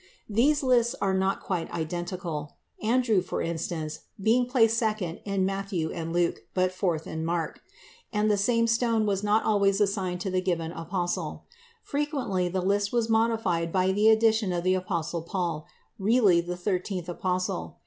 These lists are not quite identical—Andrew, for instance, being placed second in Matthew and Luke, but fourth in Mark—and the same stone was not always assigned to a given apostle. Frequently the list was modified by the addition of the apostle Paul, really the thirteenth apostle.